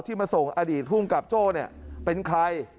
มาส่งอดีตภูมิกับโจ้เป็นใคร